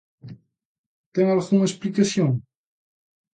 ¿Ten algunha explicación?